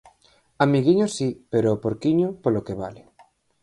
Amiguiños si pero o porquiño polo que vale.